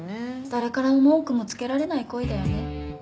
誰からも文句もつけられない恋だよね。